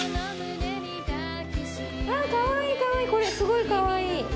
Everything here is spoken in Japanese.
あかわいいかわいいこれすごいかわいい！